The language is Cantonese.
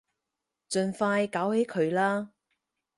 盡快搞起佢啦